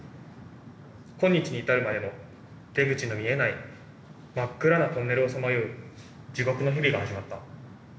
今日に至るまでの出口の見えない真っ暗なトンネルをさまよう地獄の日々が始まった。